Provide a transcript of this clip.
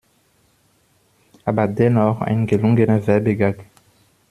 Aber dennoch ein gelungener Werbegag.